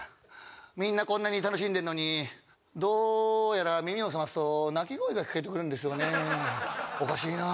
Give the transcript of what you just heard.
みんなこんなに楽しんでんのにどやら耳をすますと泣き声が聞こえて来るんですよねおかしいな。